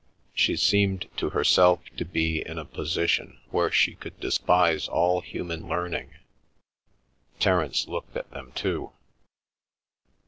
She seemed to herself to be in a position where she could despise all human learning. Terence looked at them too.